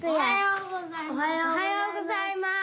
おはようございます！